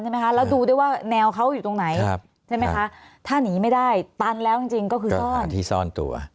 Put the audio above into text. ซ่อนเหลือที่ต้องกล่องก่อน